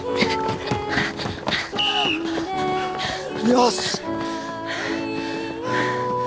よし！